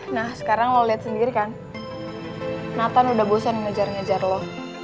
nah sekarang lo liat sendiri kan nathan udah bosan ngejar ngejar lo